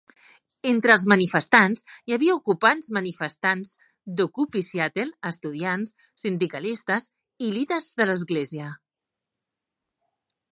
Entre els manifestants hi havia ocupants manifestants d'Occupy Seattle, estudiants, sindicalistes i líders de l'església.